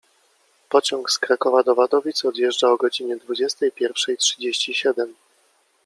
Pociąg z Krakowa do Wadowic odjeżdża o godzinie dwudziestej pierwszej trzydzieści siedem.